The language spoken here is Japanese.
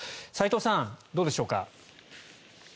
齋藤さん、どうでしょうか。